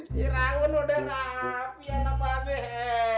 si rangun udah